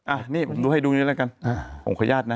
อันนี้ผมดูให้ดูนี้แล้วกันผมขออนุญาตนะ